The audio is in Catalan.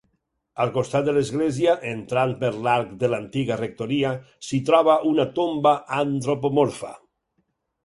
Al costat de l'església, entrant per l'arc de l'antiga rectoria, s'hi troba una tomba antropomorfa.